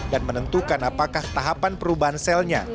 menentukan apakah tahapan perubahan selnya